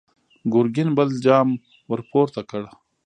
ګرګين بل جام ور پورته کړ!